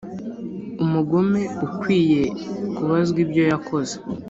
umugome ukwiye kubazwa ibyo yakoze,